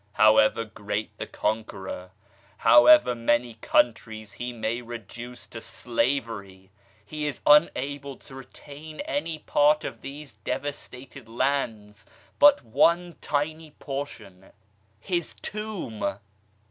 However great the Conqueror, however many countries he may reduce to slavery, he is unable to retain any part of these devastated lands but one tiny portion his tomb